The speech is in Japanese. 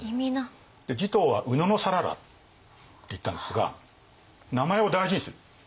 持統は野讃良っていったんですが名前を大事にする。